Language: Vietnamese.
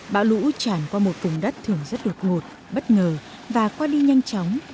bão lũ tràn qua một vùng đất thường rất đột ngột bất ngờ và qua đi nhanh chóng